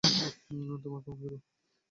তোমার কেমন গেলো?